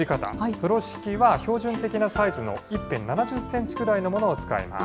風呂敷は標準的なサイズの１辺７０センチくらいのものを使います。